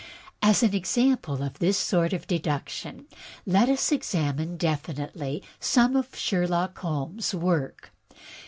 As an example of this sort of deduction let us examine definitely some of Sherlock Holmes' work.